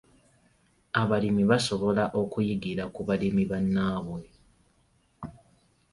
Abalimi basobola okuyigira ku balimi bannaabwe.